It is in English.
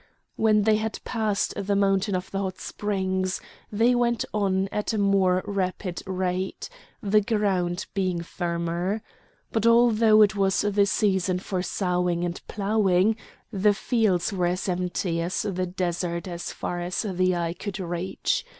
When they had passed the mountain of the Hot Springs, they went on at a more rapid rate, the ground being firmer. But although it was the season for sowing and ploughing, the fields were as empty as the desert as far as the eye could reach.